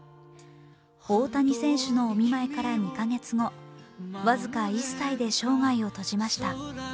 大谷選手のお見舞いから２カ月後、僅か１歳で生涯を閉じました。